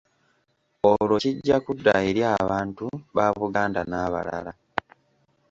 Olwo kijja kudda eri abantu ba Buganda n’abalala.